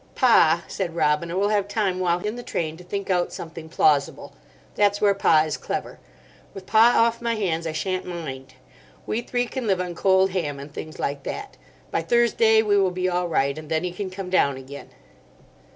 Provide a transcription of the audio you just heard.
"Pa," said Robina, "will have time while in the train to think out something plausible; that's where Pa is clever. With Pa off my hands I sha'n't mind. We three can live on cold ham and things like that. By Thursday we will be all right, and then he can come down again."